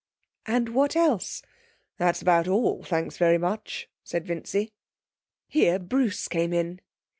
'And what else?' 'That's about all, thanks very much,' said Vincy. Here Bruce came in.